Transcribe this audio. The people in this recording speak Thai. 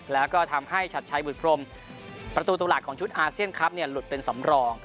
แล้วก็ทำให้ชัดชัยบุตรพรมประตูตัวหลักของชุดอาเซียนคลับเนี่ยหลุดเป็นสำรอง